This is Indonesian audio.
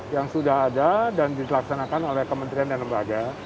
yang sudah ada dan dilaksanakan oleh kementerian dan lembaga